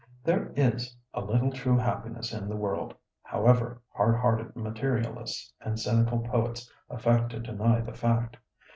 There is a little true happiness in the world, however hard hearted materialists and cynical poets affect to deny the fact.